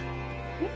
えっ？